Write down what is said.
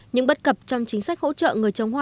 những bất cập trong chính sách hỗ trợ người trồng hoa